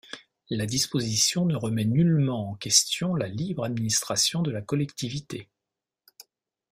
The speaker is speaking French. La disposition ne remet nullement en question la libre administration de la collectivité.